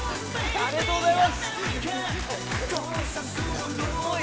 ありがとうございます。